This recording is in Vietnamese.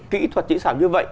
kỹ thuật chỉ xảo như vậy